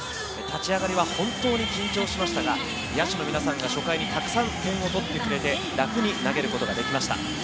立ち上がりは本当に緊張しましたが、野手の皆さんが初回にたくさん点を取ってくれて、楽に投げることができました。